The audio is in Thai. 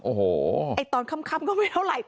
โอ้โหไอ้ตอนค่ำก็ไม่เท่าไหร่